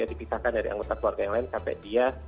dipisahkan dari anggota keluarga yang lain sampai dia